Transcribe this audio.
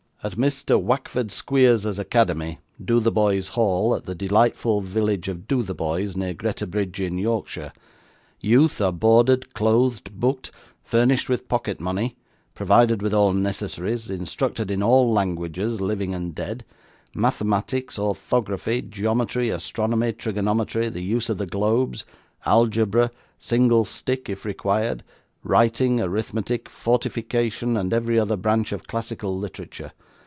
At Mr. Wackford Squeers's Academy, Dotheboys Hall, at the delightful village of Dotheboys, near Greta Bridge in Yorkshire, Youth are boarded, clothed, booked, furnished with pocket money, provided with all necessaries, instructed in all languages living and dead, mathematics, orthography, geometry, astronomy, trigonometry, the use of the globes, algebra, single stick (if required), writing, arithmetic, fortification, and every other branch of classical literature.